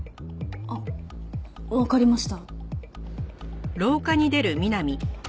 あっわかりました。